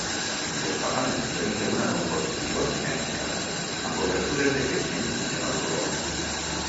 Les façanes presenten una composició simètrica, amb obertures decreixents en altura.